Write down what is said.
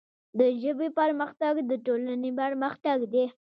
د ژبې پرمختګ د ټولنې پرمختګ دی.